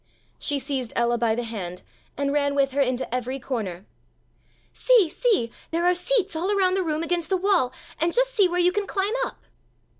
She seized Ella by the hand and ran with her into every corner. "See, see, there are seats all around the room against the wall, and just see where you can climb up."